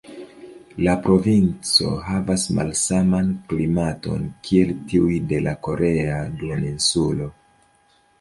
La provinco havas malsaman klimaton kiel tiuj de la korea duoninsulo.